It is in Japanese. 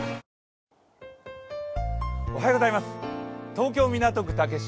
東京・港区竹芝